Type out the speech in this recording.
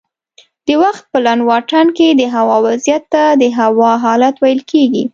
د وخت په لنډ واټن کې دهوا وضعیت ته د هوا حالت ویل کېږي